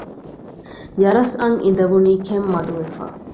ޔަރަސް އަށް އިނދެވުނީ ކެތް މަދުވެފަ